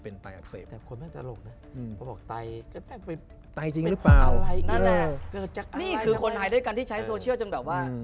นี่คือคนไทยด้วยกันที่ใช้โซเชียลจนแบบว่า